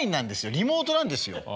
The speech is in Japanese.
リモートなんですよ。